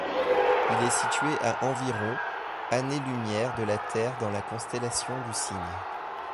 Il est situé à environ années-lumière de la Terre dans la constellation du Cygne.